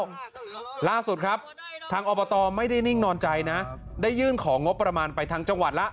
แล้วล่าสุดครับทางอบตไม่ได้นิ่งนอนใจนะได้ยื่นของงบประมาณไปทางจังหวัด